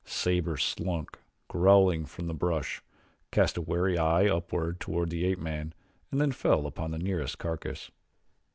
Sabor slunk, growling, from the brush, cast a wary eye upward toward the ape man and then fell upon the nearest carcass.